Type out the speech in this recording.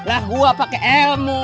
lah gua pakai ilmu